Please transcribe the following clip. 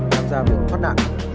tham gia biện thoát nạn